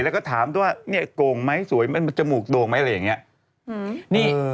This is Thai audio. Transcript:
แล้วก็ถามว่าโก่งไหมสวยไหมจมูกโก่งไหมอะไรอย่างนี้